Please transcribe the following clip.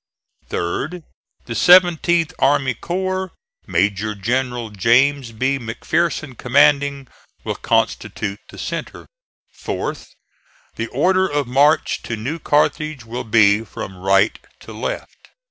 Third. The Seventeenth army corps, Major General James B. McPherson commanding, will constitute the centre. Fourth. The order of march to New Carthage will be from right to left.